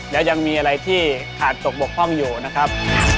แล้วยังมีอะไรที่ขาดตกบกพร่องอยู่นะครับ